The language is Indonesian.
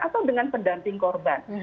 atau dengan pendamping korban